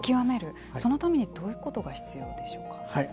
そのためにどういうことが必要でしょうか。